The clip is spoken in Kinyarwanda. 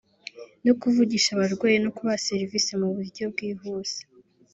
no kuvugisha abarwayi no kubaha serivise mu buryo bwihuse